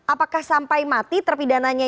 apakah sampai mati terpidananya